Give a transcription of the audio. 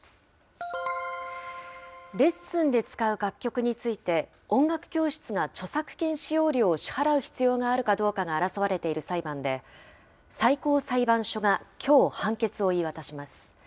レッスンで使う楽曲について、音楽教室が著作権使用料を支払う必要があるかどうかが争われている裁判で、最高裁判所がきょう、判決を言い渡します。